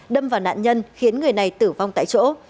đâm vào nạn nhân khiến người này tử vong tại chỗ